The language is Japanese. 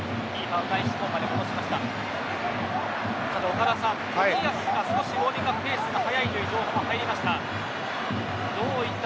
岡田さん、冨安が少しウォーミングアップのペースが速いという情報が入りました。